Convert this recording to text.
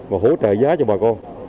mà hỗ trợ giá cho bà con